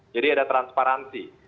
jadi ada transparansi